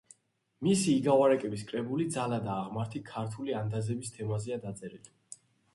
მისი იგავ-არაკების კრებული „ძალა და აღმართი“, ქართული ანდაზების თემაზეა დაწერილი.